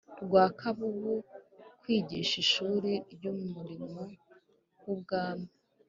Rwakabubu kwigisha Ishuri ry Umurimo w Ubwami